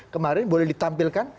kemarin boleh ditampilkan